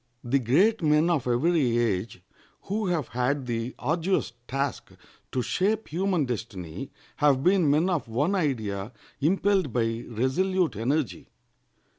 The great men of every age who have had the arduous task to shape human destiny have been men of one idea impelled by resolute energy.